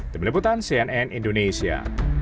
demi liputan cnn indonesia